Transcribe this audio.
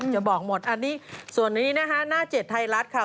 จะบอกหมดอันนี้ส่วนนี้นะคะหน้าเจ็ดไทยรัฐค่ะ